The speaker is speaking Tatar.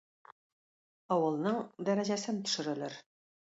Авылның дәрәҗәсен төшерәләр.